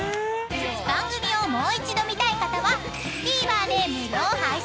［番組をもう一度見たい方はＴＶｅｒで無料配信中！］